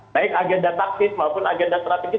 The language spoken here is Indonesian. baik agenda taktis maupun agenda strategis